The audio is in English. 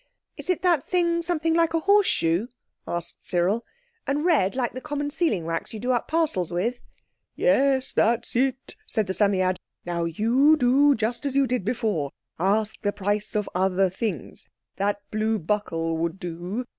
"Is it that thing something like a horse shoe?" asked Cyril. "And red, like the common sealing wax you do up parcels with?" "Yes, that's it," said the Psammead. "Now, you do just as you did before. Ask the price of other things. That blue buckle would do.